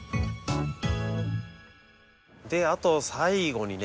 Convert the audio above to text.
であと最後にね